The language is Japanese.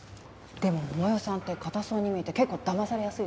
でも桃代さんって堅そうに見えて結構だまされやすいでしょ。